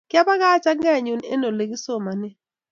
kiabakach angeenyu an ole kisomanen